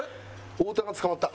太田捕まった？